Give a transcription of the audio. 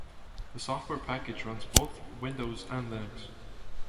The software package runs on both Windows and Linux.